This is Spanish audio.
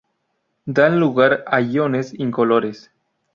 Dan lugar a iones incoloros.